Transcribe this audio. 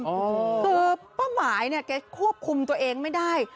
คือป้าหมายเนี่ยแกควบคุมตัวเองไม่ได้